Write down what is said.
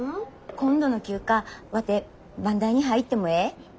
今度の休暇ワテ番台に入ってもええ？